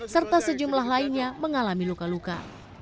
serta sejumlah lainnya mengalami luka luka